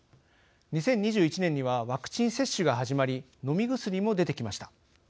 ２０２１年にはワクチン接種が始まり飲み薬も出てきました。